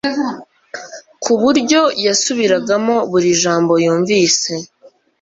ku buryo yasubiragamo buri jambo yumvise